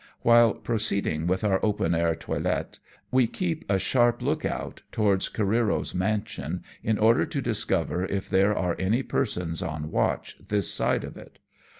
While proceeding with our open air toilet we keep a sharp look out towards Careero's mansion, in order to discover if there are any persons on watch this side of it.